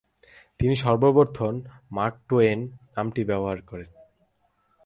তিনি সর্বপ্রথম "Mark Twain" নামটি ব্যবহার করেন।